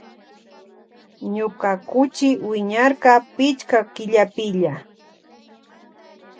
Ñuka kuchi wiñarka pichka killapilla.